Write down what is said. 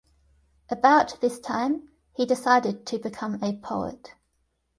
About this time, he decided to become a poet.